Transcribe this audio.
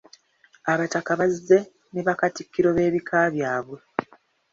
Abataka bazze ne bakatikkiro b'ebika byabwe.